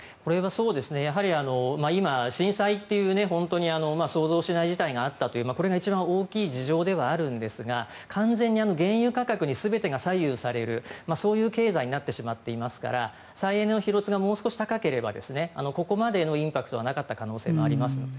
やはり今、震災という本当に想像しない事態があったという、これが一番大きい事情ではあるんですが完全に原油価格に全てが左右されるそういう経済になってしまっていますから再エネの比率がもう少し高ければここまでのインパクトはなかった可能性があります。